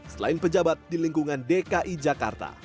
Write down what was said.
selain pejabat di lingkungan dki jakarta